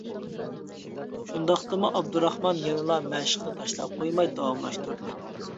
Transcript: شۇنداقتىمۇ ئابدۇراخمان يەنىلا مەشىقنى تاشلاپ قويماي داۋاملاشتۇردى.